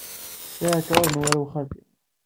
Sɛiɣ kraḍ n warraw n xali.